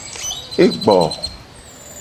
E gbo.